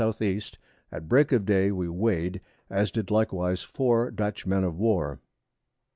E. at Break of Day we weigh'd, as did likewise 4 Dutch Men of War.